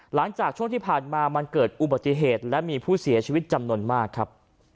หลังจากช่วงที่ผ่านมามันเกิดอุบัติเหตุและมีผู้เสียชีวิตจำนวนมากครับ